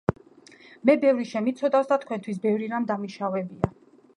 მე ბევრი შემიცოდავს და თქვენთვის ბევრი რამ დამიშავებია